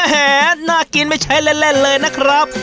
แหน่ากินไม่ใช่เล่นเลยนะครับ